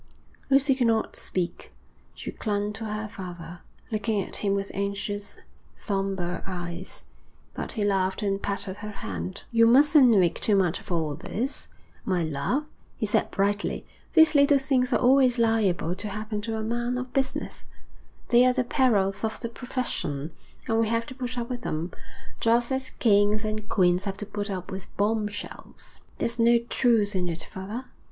Lucy could not speak. She clung to her father, looking at him with anxious, sombre eyes; but he laughed and patted her hand. 'You mustn't make too much of all this, my love,' he said brightly. 'These little things are always liable to happen to a man of business; they are the perils of the profession, and we have to put up with them, just as kings and queens have to put up with bomb shells.' 'There's no truth in it, father?'